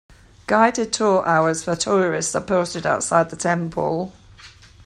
Guided tour hours for tourists are posted outside the temple.